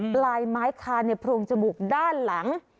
ปลายไม้คานในโพรงจมูกด้านหลัง